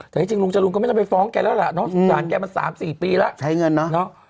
แต่ที่จริงลุงจรูนก็ไม่ได้ไปฟ้องแกแล้วแหละเนอะอืมฟ้านแกมันสามสี่ปีแล้วใช้เงินเนอะเนอะ